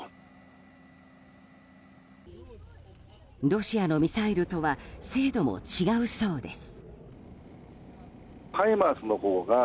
ロシアのミサイルとは精度も違うそうです。